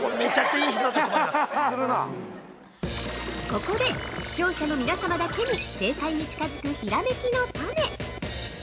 ◆ここで、視聴者の皆様だけに正解に近づく、ひらめきのタネ。